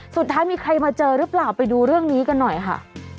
สุดท้ายมีใครมาเจอหรือเปล่าไปดูเรื่องนี้กันหน่อยค่ะ